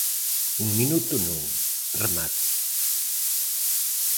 Un minuto non, remate.